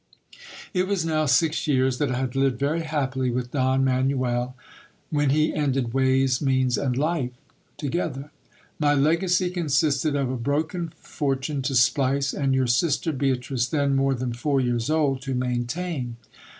It was now near six years that I had lived very happily with Don Manuel, when he ended ways, means, and life together. My legacy consisted of a broken fortune to splice, and your sister Beatrice, then more than four years old, to HISTOR Y OF DON RAPHAEL. 193 maintain.